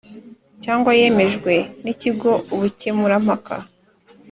cyangwa yemejwe n Ikigo ubukemurampaka